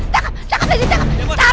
takap lady cepetan takap